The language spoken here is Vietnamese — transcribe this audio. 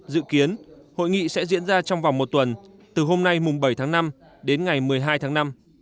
dự kiến hội nghị sẽ diễn ra trong vòng một tuần từ hôm nay mùng bảy tháng năm đến ngày một mươi hai tháng năm